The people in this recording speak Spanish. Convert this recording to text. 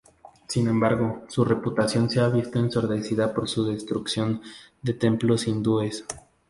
Sin embargo, su reputación se ha visto ensombrecida por su destrucción de templos hindúes.